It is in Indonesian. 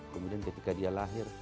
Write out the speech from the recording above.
kemudian ketika dia lahir